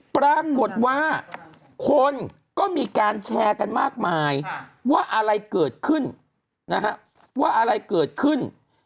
ปรากฏว่าคนก็มีการแชร์กันมากมายว่าอะไรเกิดขึ้น